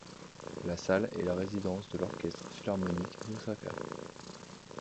La salle est la résidence de l'Orchestre Philharmonique d'Osaka.